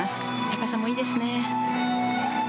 高さもいいですね。